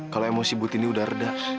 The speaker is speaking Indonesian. kalau emosi ibu tini udah reda